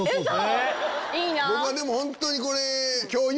僕は本当にこれ。